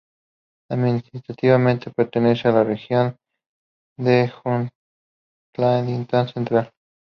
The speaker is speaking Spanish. Administrativamente pertenece a la región de Jutlandia Central.